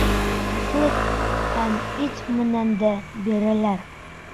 Ашлыҡ һәм ит менән дә бирәләр.